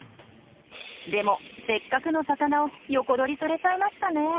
でもせっかくの魚を横取りされちゃいましたね残念。